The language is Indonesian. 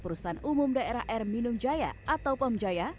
perusahaan umum daerah air minum jaya atau pam jaya